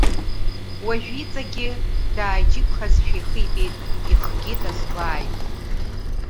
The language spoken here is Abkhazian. Уажәы иҵегьгьы дааиџьыԥхазшәа ихы ибеит, ихгьы дазгәааит.